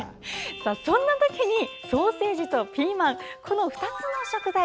そんなときにソーセージとピーマンこの２つの食材